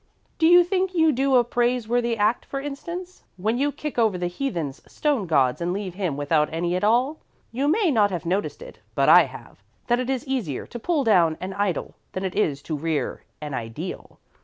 Do you think you do a praiseworthy act, for instance, when you kick over the heathen's stone gods and leave him without any at all? You may not have noticed it, but I have that it is easier to pull down an idol than it is to rear an ideal.